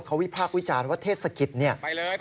เขาวิพากษ์วิจารณ์ว่าเทศกิจเนี่ย